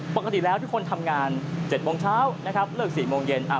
ปกติแล้วทุกคนทำงาน๗โมงเช้านะครับเลิก๔โมงเย็น